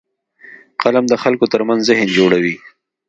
قلم د خلکو ترمنځ ذهن جوړوي